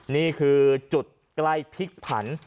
นี่คือจุดใกล้พิกพันธุ์